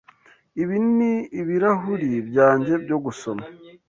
Ibi ni ibirahuri byanjye byo gusoma.